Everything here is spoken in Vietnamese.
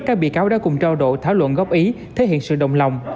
các bị cáo đã cùng trao đổi thảo luận góp ý thể hiện sự đồng lòng